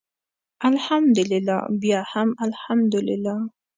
الحمدلله بیا هم الحمدلله.